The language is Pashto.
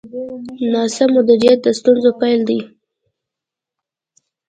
ناسم مدیریت د ستونزو پیل دی.